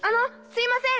すいません！